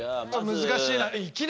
難しいな。